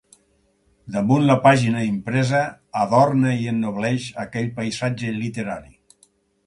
Damunt la pàgina impresa, adorna i ennobleix aquell paisatge literari.